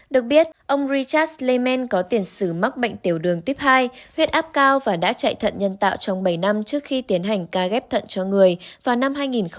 được biết ông richard leemen có tiền sử mắc bệnh tiểu đường tuyếp hai huyết áp cao và đã chạy thận nhân tạo trong bảy năm trước khi tiến hành ca ghép thận cho người vào năm hai nghìn một mươi